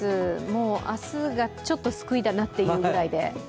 もう明日がちょっと救いだなというぐらいで。